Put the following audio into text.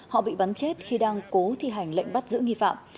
họ bị bắn chết khi đang cố thi hành lệnh bắt giữ nghi phạm